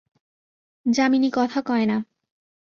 যামিনী কথা কয় না।